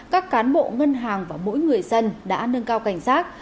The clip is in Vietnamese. các cán bộ ngân hàng và mỗi người dân đã nâng cao cảnh giác